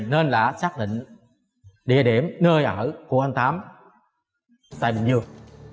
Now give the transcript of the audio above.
nên đã xác định địa điểm nơi ở của anh tám tại bình dương